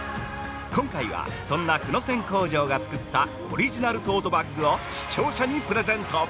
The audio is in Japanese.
今回は、そんな久野染工場が作ったオリジナルトートバッグを視聴者にプレゼント！